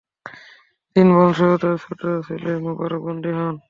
তিন বোনসহ তার ছোট ছেলে মুবারক বন্দী হন।